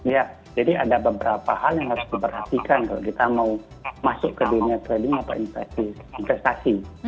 ya jadi ada beberapa hal yang harus diperhatikan kalau kita mau masuk ke dunia trading atau investasi